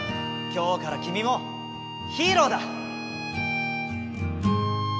今日からきみもヒーローだ！